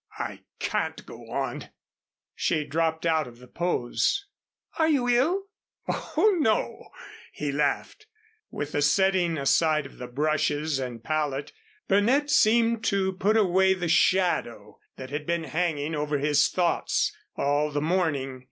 "I can't go on." She dropped out of the pose. "Are you ill?" "Oh, no," he laughed. With the setting aside of the brushes and palette, Burnett seemed to put away the shadow that had been hanging over his thoughts all the morning.